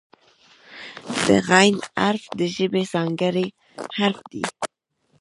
د "غ" حرف د ژبې ځانګړی حرف دی.